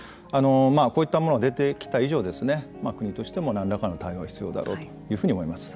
こういったものが出てきた以上国としても何らかの対応は必要だろうというふうに思います。